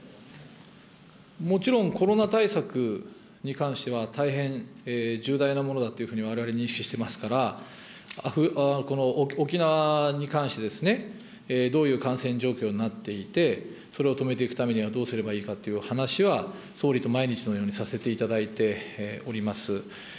もちろんコロナ対策に対しては、大変重大なものだというふうに、われわれ認識してますから、沖縄に関してどういう感染状況になっていて、それを止めていくためにはどうすればいいかっていう話は総理と毎日のようにさせていただいております。